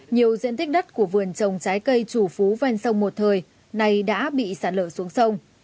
nhiều diện tích đất của vườn trồng trái cây chủ phú ven sông một thời nay đã bị sạt lở xuống sông